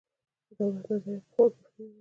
د دولت نظریه پخوا کفري وه.